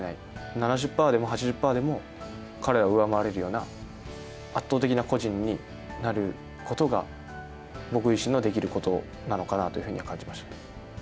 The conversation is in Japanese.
７０パーでも８０パーでも彼らを上回れるような、圧倒的な個人になることが、僕自身のできることなのかなというふうには感じました。